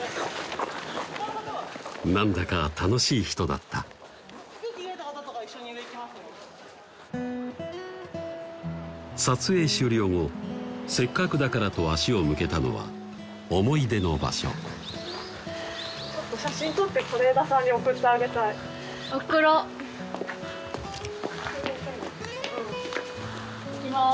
何だか楽しい人だった撮影終了後せっかくだからと足を向けたのは思い出の場所ちょっと写真撮って是枝さんに送ってあげたい送ろういきます